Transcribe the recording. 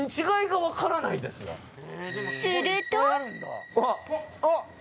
違いが分からないですがあっ！